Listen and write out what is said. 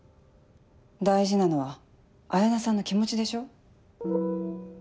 大事なのは彩菜さんの気持ちでしょ？